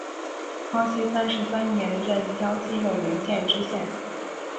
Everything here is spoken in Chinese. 康熙三十三年任江西永宁县知县。